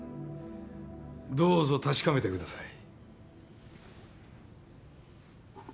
どうぞ確かめてください。